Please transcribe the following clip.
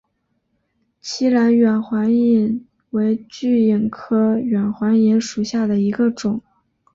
栖兰远环蚓为巨蚓科远环蚓属下的一个种。